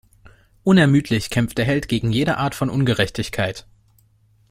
Unermüdlich kämpft der Held gegen jede Art von Ungerechtigkeit.